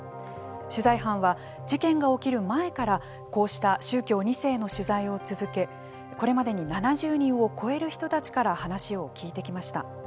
取材班は、事件が起きる前からこうした宗教２世の取材を続けこれまでに７０人を超える人たちから話を聞いてきました。